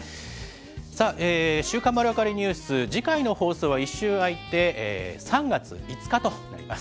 さあ、週刊まるわかりニュース、次回の放送は１週あいて、３月５日となります。